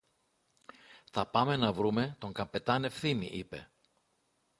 "Θα πάμε να βρούμε τον καπετάν-Ευθύμη", είπε.